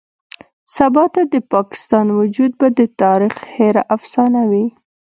سباته د پاکستان وجود به د تاريخ هېره افسانه وي.